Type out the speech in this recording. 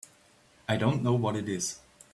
I don't know what it is.